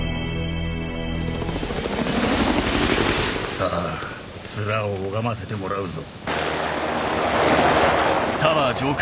さぁツラを拝ませてもらうぞ